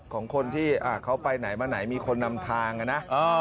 ของคนที่เขาไปไหนมาไหนมีคนนำทางนะ